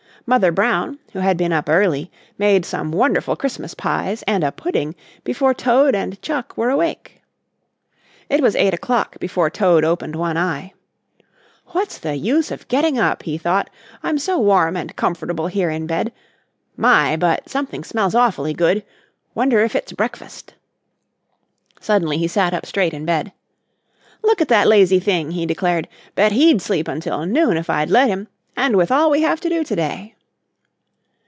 Mother Brown, who had been up early, made some wonderful Christmas pies and a pudding before Toad and Chuck were awake. It was eight o'clock before Toad opened one eye. "What's the use of getting up," he thought, "I'm so warm and comfortable here in bed. My, but something smells awfully good. Wonder if it's breakfast." Suddenly he sat up straight in bed. "Look at that lazy thing," he declared. "Bet he'd sleep until noon if I'd let him, and with all we have to do to day."